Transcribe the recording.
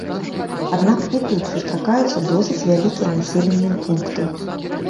Аднак і тут сустракаюцца досыць вялікія населеныя пункты.